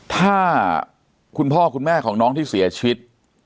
ถ้าคุณพ่อคุณแม่ของน้องที่เสียชีวิต